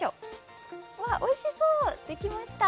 わっ、おいしそう、できました。